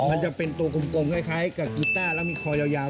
มันจะเป็นตัวกลมคล้ายกับกีต้าแล้วมีคอยาว